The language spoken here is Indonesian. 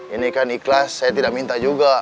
ini kan ikhlas saya tidak minta juga